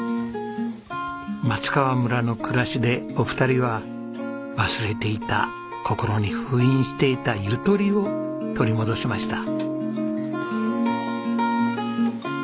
松川村の暮らしでお二人は忘れていた心に封印していたゆとりを取り戻しました。